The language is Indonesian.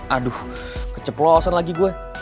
aduh keceplosen lagi gue